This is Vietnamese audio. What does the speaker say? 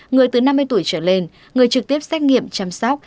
người từ năm mươi tuổi trở lên người trực tiếp xét nghiệm chăm sóc